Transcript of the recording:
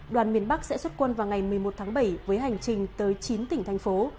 đoàn miền bắc sẽ xuất quân vào ngày một mươi một tháng bảy với hành trình tới chín tỉnh thành phố